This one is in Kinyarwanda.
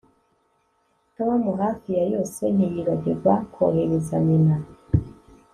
Tom hafi ya yose ntiyibagirwa kohereza nyina